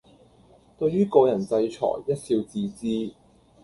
對於個人制裁一笑置之